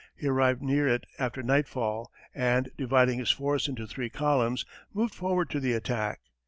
He arrived near it after nightfall, and dividing his force into three columns, moved forward to the attack.